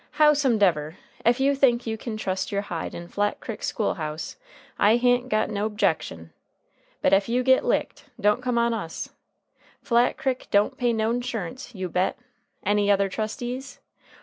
Howsumdever, ef you think you kin trust your hide in Flat Crick school house I ha'n't got no 'bjection. But ef you git licked, don't come on us. Flat Crick don't pay no 'nsurance, you bet! Any other trustees?